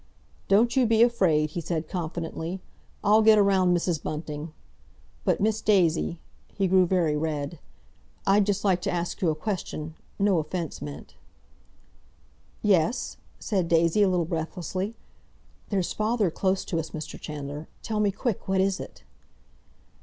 "Don't you be afraid," he said confidently. "I'll get round Mrs. Bunting. But, Miss Daisy"—he grew very red—"I'd just like to ask you a question—no offence meant—" "Yes?" said Daisy a little breathlessly. "There's father close to us, Mr. Chandler. Tell me quick; what is it?"